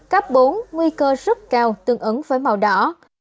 cấp bốn nguy cơ rất cao tương ứng với màu đỏ